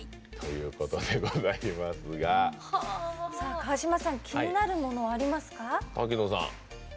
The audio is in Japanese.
川島さん、気になるものはありますか。